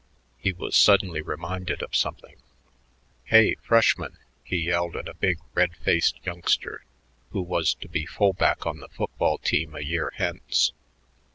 He was suddenly reminded of something. "Hey, freshman!" he yelled at a big, red faced youngster who was to be full back on the football team a year hence.